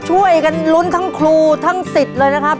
ช่วยกันลุ้นทั้งครูทั้งสิทธิ์เลยนะครับ